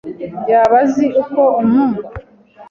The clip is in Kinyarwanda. Yaba azi uko amwumva?